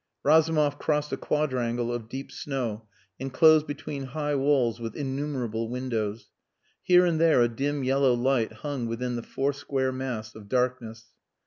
Razumov crossed a quadrangle of deep snow enclosed between high walls with innumerable windows. Here and there a dim yellow light hung within the four square mass of darkness.